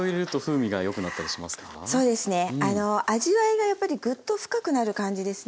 味わいがやっぱりぐっと深くなる感じですね